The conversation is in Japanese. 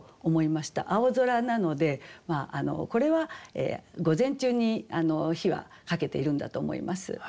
「青空」なのでこれは午前中に火はかけているんだと思います。